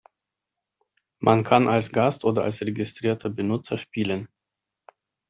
Man kann als Gast oder als registrierter Benutzer spielen.